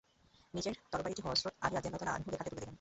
নিজের তরবারিটিও হযরত আলী রাযিয়াল্লাহু আনহু-এর হাতে তুলে দেন।